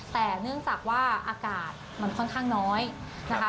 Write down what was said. แต่เนื่องจากว่าอากาศมันค่อนข้างน้อยนะคะ